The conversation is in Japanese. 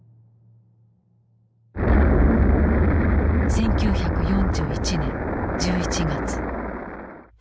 １９４１年１１月。